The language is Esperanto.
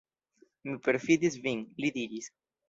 Mi perﬁdis vin, li diris.